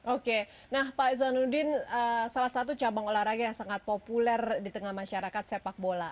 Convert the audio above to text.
oke nah pak zainuddin salah satu cabang olahraga yang sangat populer di tengah masyarakat sepak bola